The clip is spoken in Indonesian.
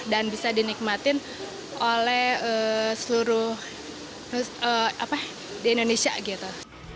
dan bisa dinikmatin oleh seluruh apa di indonesia gitu